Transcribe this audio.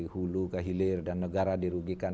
hulu ke hilir dan negara dirugikan